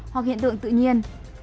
hoặc hiện tượng tự nhiên